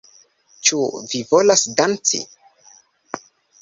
Ĉu vi volas danci?